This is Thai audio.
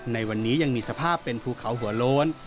ในวันนี้ยังมีสภาพเป็นภูเขาหัวโล้น